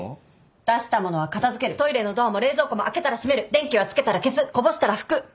出した物は片付けるトイレのドアも冷蔵庫も開けたら閉める電気はつけたら消すこぼしたら拭く！